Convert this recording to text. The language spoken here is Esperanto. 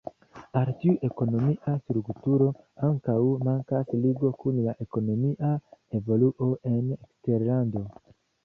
Al tiu ekonomia strukturo ankaŭ mankas ligo kun la ekonomia evoluo en eksterlando.